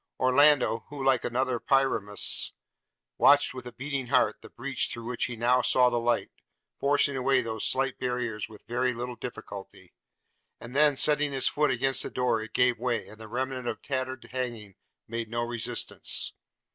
Orlando, who, like another Pyramus, watched with a beating heart the breach through which he now saw the light, forced away those slight barriers with very little difficulty; and then, setting his foot against the door, it gave way, and the remnant of tattered hanging made no resistance.